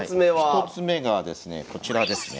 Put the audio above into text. １つ目がですねこちらですね。